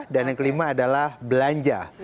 dan yang kelima adalah belanja